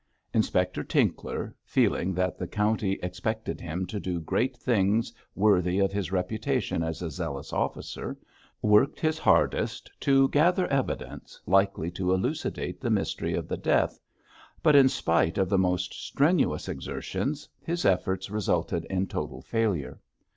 Inspector Tinkler, feeling that the County expected him to do great things worthy of his reputation as a zealous officer, worked his hardest to gather evidence likely to elucidate the mystery of the death; but in spite of the most strenuous exertions, his efforts resulted in total failure.